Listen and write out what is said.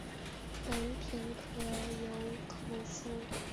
本品可由口服或静脉注射给药。